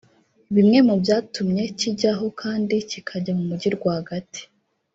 Bimwe mu byatumye kijyaho kandi kikajya mu mujyi rwagati